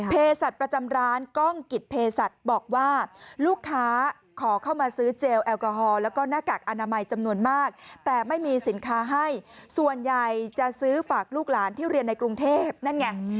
สัตว์ประจำร้านกล้องกิจเพศัตริย์บอกว่าลูกค้าขอเข้ามาซื้อเจลแอลกอฮอลแล้วก็หน้ากากอนามัยจำนวนมากแต่ไม่มีสินค้าให้ส่วนใหญ่จะซื้อฝากลูกหลานที่เรียนในกรุงเทพนั่นไง